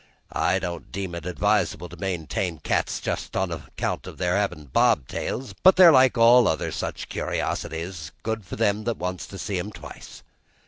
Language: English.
I don't deem it advisable to maintain cats just on account of their havin' bob tails; they're like all other curiosities, good for them that wants to see 'm twice.